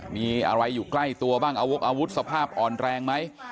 มีอะไรอยู่ใกล้ตัวบ้างเอาวกอาวุธสภาพอ่อนแรงไหม